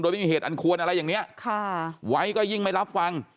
ไม่มีเหตุอันควรอะไรอย่างนี้ไว้ก็ยิ่งไม่รับฟัง